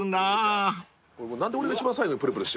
何で俺が一番最後にプルプルしてんですか？